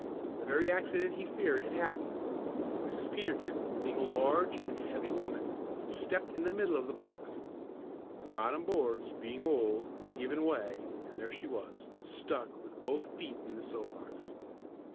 The very accident he feared had happened. Mrs. Peterkin, being a large and heavy woman, had stepped in the middle of the box. The bottom boards, being old, had given way and there she was stuck with both feet in the soap box.